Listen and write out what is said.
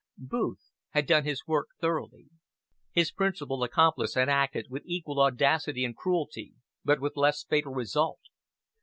Booth had done his work thoroughly. His principal accomplice had acted with equal audacity and cruelty, but with less fatal result.